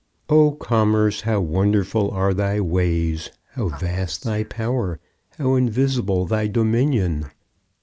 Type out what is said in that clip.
O Commerce, how wonderful are thy ways, how vast thy power, how invisible thy dominion!